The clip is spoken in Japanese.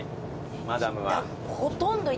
マダムは。